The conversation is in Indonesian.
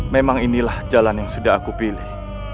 memang inilah jalan yang sudah aku pilih